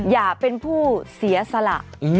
อย่าเป็นผู้เสียสละ